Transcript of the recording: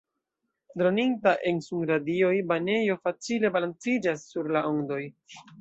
Droninta en sunradioj banejo facile balanciĝas sur la ondoj.